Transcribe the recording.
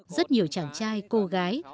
rất nhiều chàng trai cô gái